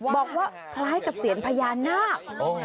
บอกว่าคล้ายกับเซียนพญานาค